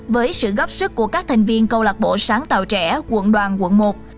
với sự góp sức của các thành viên câu lạc bộ sáng tạo trẻ quận đoàn quận một